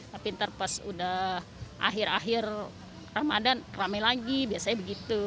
tapi ntar pas udah akhir akhir ramadhan rame lagi biasanya begitu